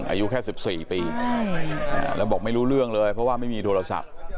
อายุแค่๑๔ปีแล้วบอกไม่รู้เรื่องเลยเพราะว่าไม่มีโทรศัพท์